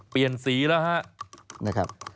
เปลี่ยนสีแล้วฮะ